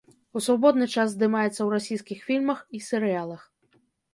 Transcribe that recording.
У свабодны час здымаецца ў расійскіх фільмах і серыялах.